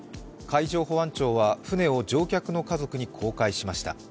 海上保安庁は船を乗客の家族に公開しました。